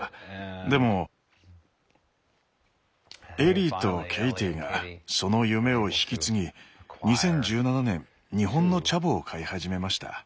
でもエリーとケイティがその夢を引き継ぎ２０１７年日本のチャボを飼い始めました。